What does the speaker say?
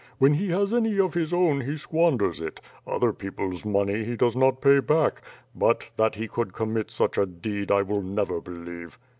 When he has any of his own, he squanders it — other people's money he does not pay back; but, that he could commit such a deed, I will never believe."